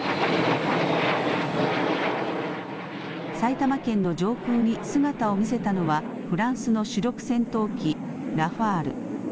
埼玉県の上空に姿を見せたのはフランスの主力戦闘機ラファール。